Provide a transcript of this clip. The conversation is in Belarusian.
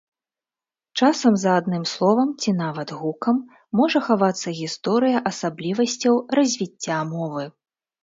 Часам за адным словам ці нават гукам можа хавацца гісторыя асаблівасцяў развіцця мовы.